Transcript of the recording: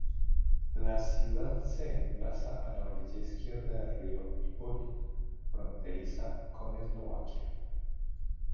La ciudad se emplaza a la orilla izquierda del río Ipoly, fronteriza con Eslovaquia.